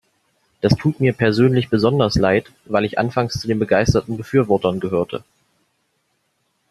Das tut mir persönlich besonders Leid, weil ich anfangs zu den begeisterten Befürwortern gehörte.